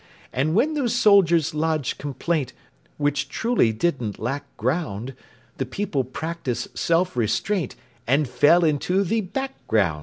And when those soldiers lodged complaint (Which truly didn't lack ground), The people practised self restraint And fell into the background.